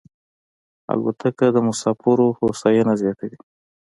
الوتکه د مسافرو هوساینه زیاتوي.